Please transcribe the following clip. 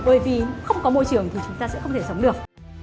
bởi vì không có môi trường thì chúng ta sẽ không thể sống được